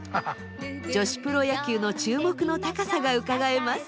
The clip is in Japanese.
女子プロ野球の注目の高さがうかがえます。